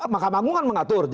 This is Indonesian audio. maka manggungan mengatur